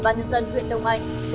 căn cứ thông tin trong hồ sơ